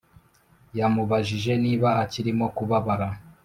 yamubajije niba akirimo kubabara